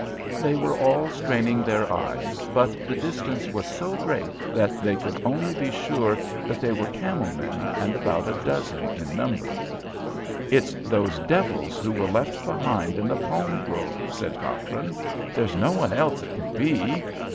They were all straining their eyes, but the distance was so great that they could only be sure that they were camel men and about a dozen in number. "It's those devils who were left behind in the palm grove," said Cochrane. "There's no one else it can be.